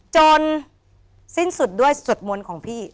จนสิ้นสุดด้วยสวดมนต์ของพี่